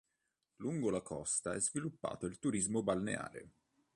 Lungo la costa è sviluppato il turismo balneare.